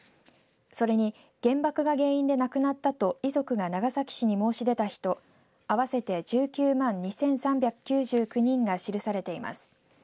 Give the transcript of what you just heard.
それに原爆が原因で亡くなったと遺族が長崎市に申し出た人合わせて１９万２３９９人が記されています。